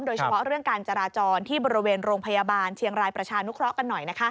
โดยเฉพาะเรื่องการจราจรที่บริเวณโรงพยาบาลเชียงรายประชานุเคราะห์กันหน่อย